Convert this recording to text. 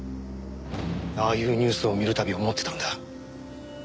ああいうニュースを見る度思ってたんだ。